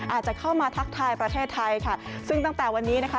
อาจจะเข้ามาทักทายประเทศไทยค่ะซึ่งตั้งแต่วันนี้นะคะ